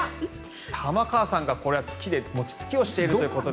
玉川さんがこれ、月で餅つきをしているということで。